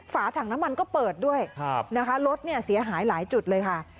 ฝาถังน้ำมันก็เปิดด้วยนะคะรถเนี่ยเสียหายหลายจุดเลยค่ะ